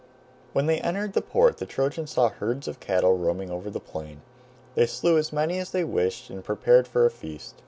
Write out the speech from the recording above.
When they entered the port the Trojans saw herds of cattle roaming over the plain. They slew as many as they wished and prepared for a feast.